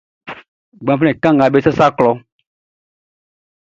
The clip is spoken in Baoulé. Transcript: Gbanflɛn kannganʼm be sasa klɔʼn.